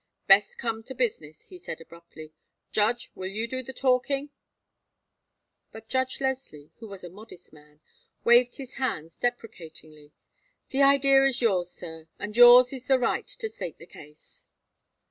"Best come to business," he said, abruptly. "Judge, will you do the talking?" But Judge Leslie, who was a modest man, waved his hand deprecatingly. "The idea is yours, sir, and yours is the right to state the case."